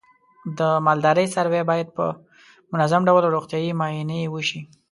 د مالدارۍ څاروی باید په منظم ډول روغتیايي معاینې وشي.